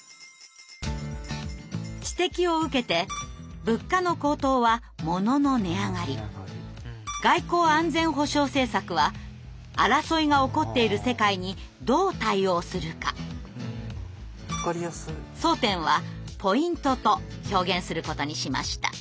指摘を受けて「物価の高騰」は「物の値上がり」「外交・安全保障政策」は「争いが起こっている世界にどう対応するか」「争点」は「ポイント」と表現することにしました。